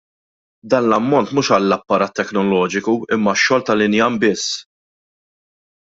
Dan l-ammont mhux għall-apparat teknoloġiku imma għax-xogħol tal-injam biss!